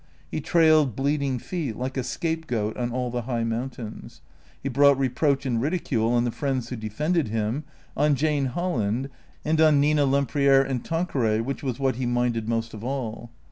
He trailed bleeding feet, like a scapegoat on all the high mountains. He brought reproach and ridicule on the friends who defended him, on Jane Holland, and on Nina Lempriere and Tanqueray, which was what he minded most of all.